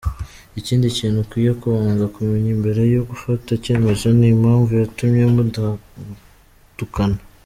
Ikindi kintu ukwiye kubanza kumenya mbere yo gufata icyemezo ni impamvu yatumye mutandukana.